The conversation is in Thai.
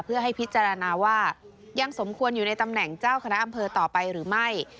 เพื่อให้พิจารณาว่ายังสมควรอยู่ในตำแหน่งเจ้าคณะอำเภอต่อไปหรือไม่